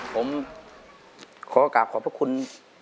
ผมขอโอกาสขอบพระคุณ